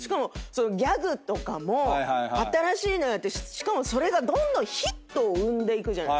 ギャグとかも新しいのやってしかもそれがどんどんヒットを生んでいくじゃないですか。